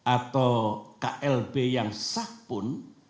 atau klb yang sah pun